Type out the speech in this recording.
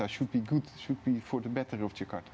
harus baik harus lebih baik jakarta